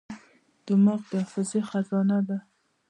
دماغ د حافظې خزانه ده.